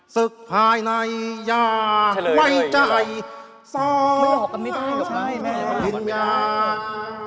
ศึกภายในยาไว้ใจสอบความคิดอย่าง